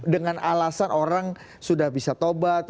dengan alasan orang sudah bisa tobat